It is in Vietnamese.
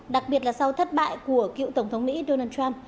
đặc biệt là sau thất bại của cựu tổng thống mỹ donald trump